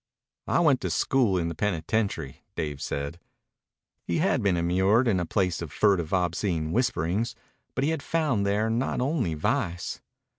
"I went to school in the penitentiary," Dave said. He had been immured in a place of furtive, obscene whisperings, but he had found there not only vice.